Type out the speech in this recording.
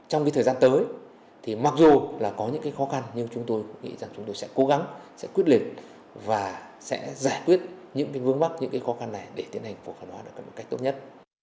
trong thời gian tới mặc dù có những khó khăn nhưng chúng tôi nghĩ chúng tôi sẽ cố gắng quyết liệt và giải quyết những vương mắc những khó khăn này để tiến hành cổ phần hóa được một cách tốt nhất